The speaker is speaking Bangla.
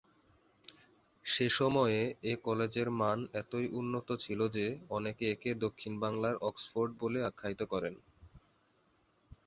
সেসময়ে এ কলেজের মান এতই উন্নত ছিল যে অনেকে একে দক্ষিণ বাংলার অক্সফোর্ড বলে আখ্যায়িত করেন।